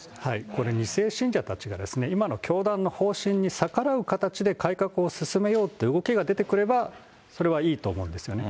これ、２世信者の方々が今の教団の方針に逆らう形で、改革を進めようっていう動きが出てくればそれはいいと思うんですよね。